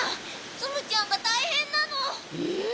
ツムちゃんがたいへんなの。えっ！？